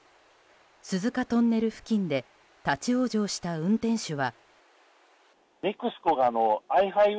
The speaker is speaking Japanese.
鈴鹿トンネル付近で立ち往生した運転手は。